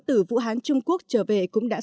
từ vũ hán trung quốc trở về cũng đáng